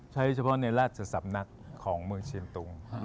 เฉพาะในราชสำนักของเมืองเชียงตุง